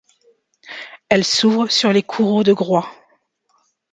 Elle s'ouvre sur les courreaux de Groix.